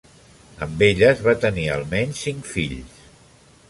Amb elles, va tenir almenys cinc fills.